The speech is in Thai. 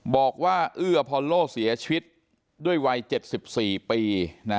บอกว่าอื้ออพอลโลเสียชีวิตด้วยวัย๗๔ปี